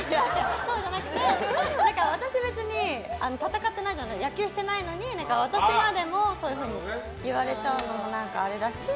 そうじゃなくて私、別に戦ってない野球してないのに私までも、そういうふうに言われちゃうのも何かあれだし。